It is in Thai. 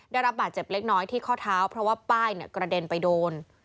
ได้รับบาดเจ็บเล็กน้อยที่ข้อเท้าเพราะว่าป้ายกระเด็นไปโดน